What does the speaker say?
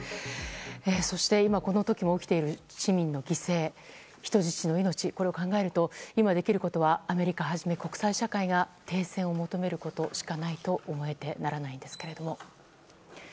そして、今この時も起きている市民の犠牲そして人質の命を考えると今できることはアメリカをはじめ国際社会が停戦を求めることしかないと思えてならないです。